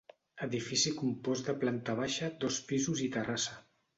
Edifici compost de planta baixa, dos pisos i terrassa.